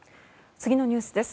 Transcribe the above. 次のニュースです。